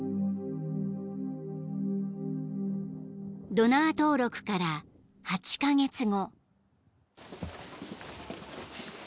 ［ドナー登録から８カ月後］